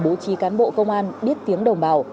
bố trí cán bộ công an biết tiếng đồng bào